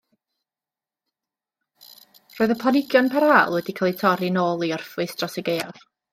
Roedd y planhigion parhaol wedi cael eu torri nôl i orffwys dros y gaeaf.